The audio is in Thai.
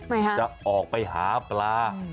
ไหมคะจะออกไปหาปลา